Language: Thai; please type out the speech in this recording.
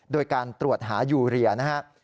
โดยการตรวจหายูเรียนะครับ